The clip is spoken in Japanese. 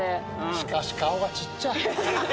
しかし顔がちっちゃい。